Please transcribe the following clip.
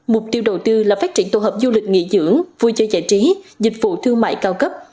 mục tiêu đầu tư là phát triển tổ hợp du lịch nghỉ dưỡng vui chơi giải trí dịch vụ thương mại cao cấp